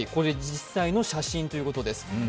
実際の写真ということです。